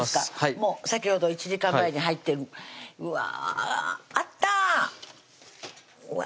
もう先ほど１時間前に入ってるうわあったうわ